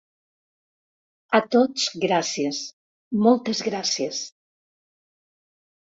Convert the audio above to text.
A tots, gràcies, moltes gràcies.